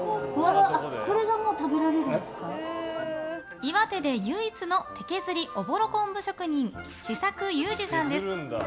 岩手で唯一のおぼろ昆布職人四作雄治さんです。